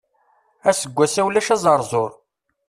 Aseggas-a ulac aẓerẓur.